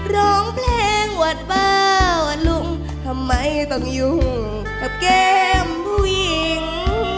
ร้องเพลงหวัดบ้าว่าลุงทำไมต้องยุ่งกับแก้มผู้หญิง